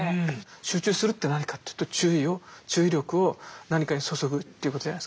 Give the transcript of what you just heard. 集中するって何かというと注意力を何かに注ぐということじゃないですか。